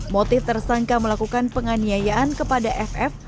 motif tersangka melakukan penganiayaan kepada ff